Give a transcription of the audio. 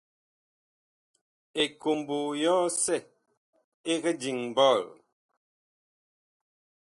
Ekombo yɔsɛ ɛg diŋ ɓɔɔl.